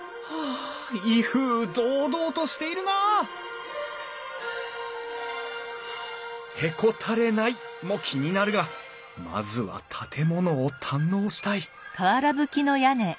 あ威風堂々としているなあ「へこたれない」も気になるがまずは建物を堪能したい！